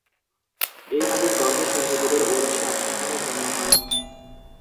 এই নারীর গর্ভে সূর্যদেবের ঔরসে আট সন্তানের জন্ম হয়।